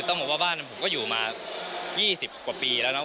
ต้องบอกว่าบ้านผมก็อยู่มา๒๐กว่าปีแล้วเนาะ